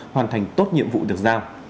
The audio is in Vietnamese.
hoàn thành tốt nhiệm vụ được giao